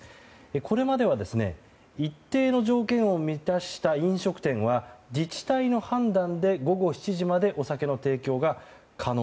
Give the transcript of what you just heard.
これまでは一定の条件を満たした飲食店は自治体の判断で午後７時までお酒の提供が可能。